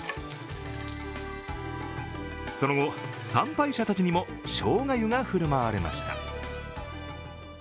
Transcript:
その後、参拝者たちにも生姜湯が振る舞われました。